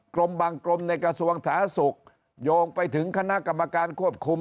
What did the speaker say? กรมบังกรมในกระทรวงศาสุกโยงไปถึงคณะกรรมการควบคุม